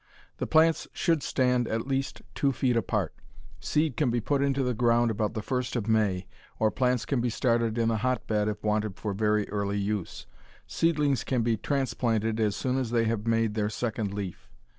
The plants should stand at least two feet apart. Seed can be put into the ground about the first of May, or plants can be started in the hotbed if wanted for very early use. Seedlings can be transplanted as soon as they have made their second leaf.